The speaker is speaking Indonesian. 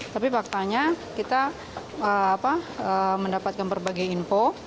tapi faktanya kita mendapatkan berbagai info